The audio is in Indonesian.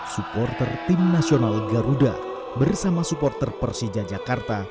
supporter tim nasional garuda bersama supporter persija jakarta